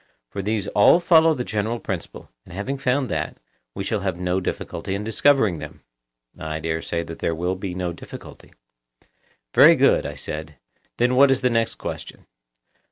For these all follow the general principle, and having found that, we shall have no difficulty in discovering them. I dare say that there will be no difficulty. Very good, I said; then what is the next question?